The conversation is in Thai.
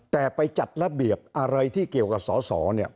แต่ไปจัดระเบียบอะไรที่เกี่ยวกับสอสอเนี่ย